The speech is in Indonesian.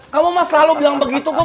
kamu mah selalu bilang begitu kum